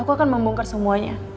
aku akan membongkar semuanya